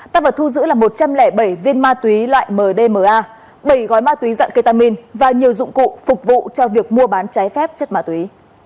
tăng vật thu giữ là một trăm linh bảy viên ma túy loại mdma bảy gói ma túy dạng ketamine và nhiều dụng cụ phục vụ cho việc mua bán trái phép chất ma túy